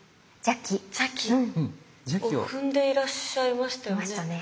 邪鬼を踏んでいらっしゃいましたよね。